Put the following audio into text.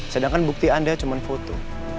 sedangkan bukti anda cuma foto